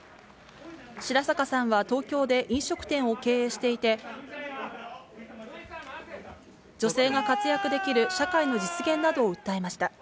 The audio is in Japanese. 白坂さんは東京で飲食店を経営していて、女性が活躍できる社会の実現などを訴えました。